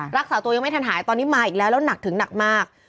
รักษาตัวยังไม่ทันหายตอนนี้มาอีกแล้วแล้วหนักถึงหนักมาก